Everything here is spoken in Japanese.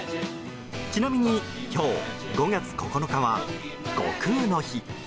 ちなみに、今日５月９日は悟空の日。